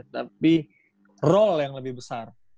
tapi role yang lebih besar